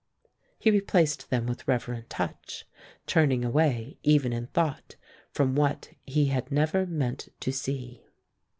He replaced them with reverent touch, turning away even in thought from what he had never meant to see.